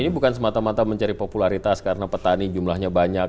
ini bukan semata mata mencari popularitas karena petani jumlahnya banyak